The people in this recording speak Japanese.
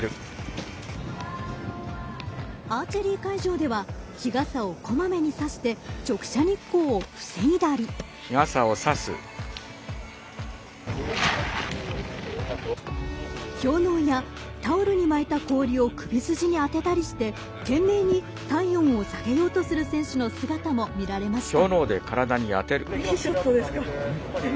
アーチェリー会場では日傘を小まめにさして直射日光を防いだり氷のうやタオルにまいた氷を首筋に当てたりして懸命に体温を下げようとする選手の姿も見られました。